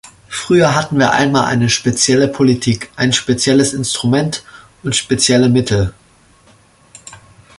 Früher hatten wir einmal eine spezielle Politik, ein spezielles Instrument und spezielle Mittel.